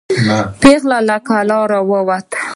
پیغله له کلا ووته.